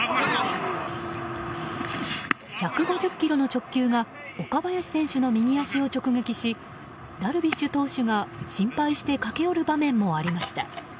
１５０キロの直球が岡林選手の右足を直撃しダルビッシュ投手が心配して駆け寄る場面もありました。